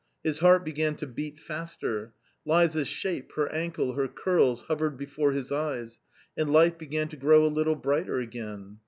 His heart began to beat faster. Liza's shape, her ankle, her curls hovered before his eyes, and life began to grow a little brighter again.